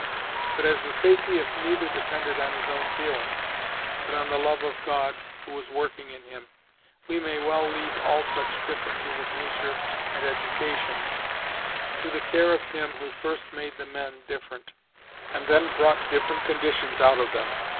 But as the safety of neither depended on his own feelings, but on the love of God who was working in him, we may well leave all such differences of nature and education to the care of Him who first made the men different, and then brought different conditions out of them.